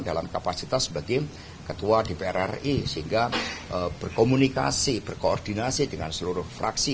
dalam kapasitas sebagai ketua dpr ri sehingga berkomunikasi berkoordinasi dengan seluruh fraksi